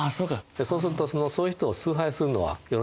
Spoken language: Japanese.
そうするとそういう人を崇拝するのはよろしくないと。